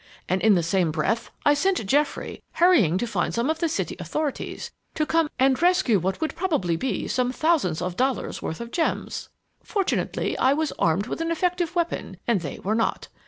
And in the same breath I sent Geoffrey hurrying to find some of the city authorities to come and rescue what would probably be some thousands of dollars' worth of gems. "Fortunately, I was armed with an effective weapon and they were not.